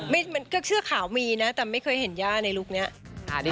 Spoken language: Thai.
มันคือก็เชื่อข่าวมีนะแต่ไม่เคยเห็นย่าในลูกพี่นี้